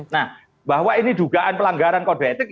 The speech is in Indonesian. nah bahwa ini dugaan pelanggaran kode etik